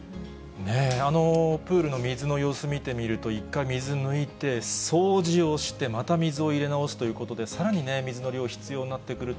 あのプールの水の様子見てみると、一回、水抜いて、掃除をして、また水を入れ直すということで、さらに水の量、必要になってくる